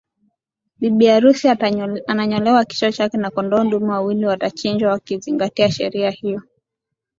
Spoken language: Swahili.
Bibi harusi ananyolewa kichwa chake na kondoo dume wawili watachinjwa kuzingatia sherehe hiyo